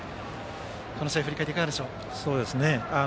この試合振り返っていかがでしょう。